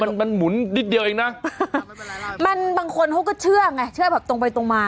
มันมันหมุนนิดเดียวเองนะมันบางคนเขาก็เชื่อไงเชื่อแบบตรงไปตรงมา